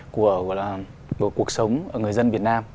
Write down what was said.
của cuộc sống của người dân việt nam